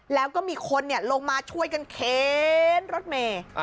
แล้วก็มีคนลงมาช่วยกันเข็นรถเมย์